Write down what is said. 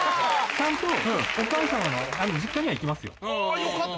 ちゃんとお母様の実家には行よかった。